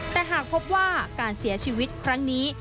แต่หากพบว่าการเสียชีวิตครั้งนี้